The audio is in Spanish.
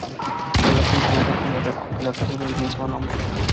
Relato incluido en el recopilatorio del mismo nombre.